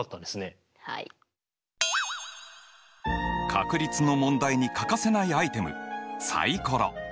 確率の問題に欠かせないアイテムサイコロ。